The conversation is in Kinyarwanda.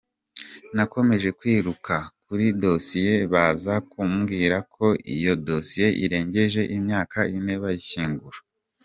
Nakomeje kwiruka kuri dosiye, baza kumbwira ko iyo dosiye irengeje imyaka ine bayishyingura.